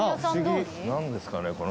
何ですかね